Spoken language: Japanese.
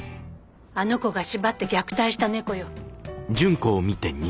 あの子が縛って虐待した猫よ。